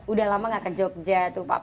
udah lama gak ke jogja tuh pak